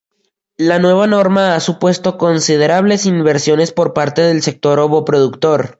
La nueva norma ha supuesto considerables inversiones por parte del sector ovo productor.